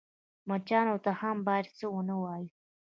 _مچانو ته هم بايد څه ونه وايو.